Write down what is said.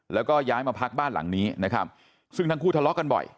แล้วก็ย้ายมาพักบ้านหลังนี้นะครับซึ่งทั้งคู่ทะเลาะกันบ่อย